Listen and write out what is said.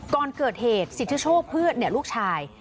ก่อนเกิดเหตุสิทธิโชคเพื่อนลูกชาย